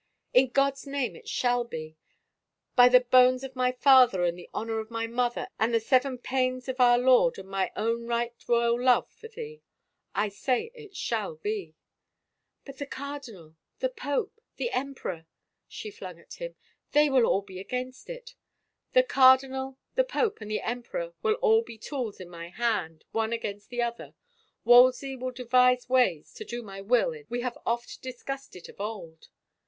" In God's name it shall be !— By the bones of my father and the honor of my mother and the Seven Pains of our Lord and my own right royal love for thee! I say it shall be !"" But the cardinal — the pope — the emperor —" she flung at him, they will all be against it" " The cardinal, the pope and the emperor will all be tools in my hands, one against the other. ... Wolsey will devise ways to do my will in this ... we have oft discussed it of old."